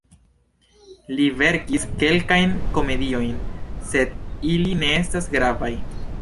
Li verkis kelkajn komediojn, sed ili ne estas gravaj.